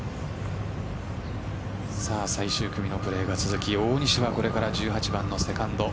最終組のプレーが続き大西はこれから１８番のセカンド。